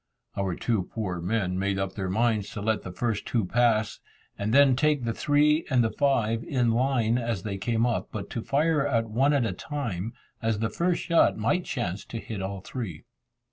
Our two poor men made up their minds to let the first two pass, and then take the three and the five in line, as they came up, but to fire at one at a time, as the first shot might chance to hit all three.